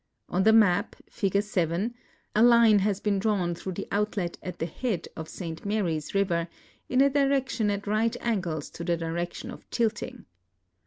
On the map (Fig. 7) a line has been drawn through the outlet at the head of St Marys river in a direction at right angles to the direction of tilting.